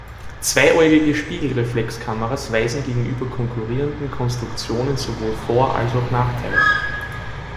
Zweiäugige Spiegelreflexkameras weisen gegenüber konkurrierenden Konstruktionen sowohl Vor- als auch Nachteile auf.